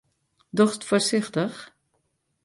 Dochst foarsichtich?